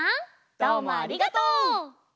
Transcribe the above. どうもありがとう！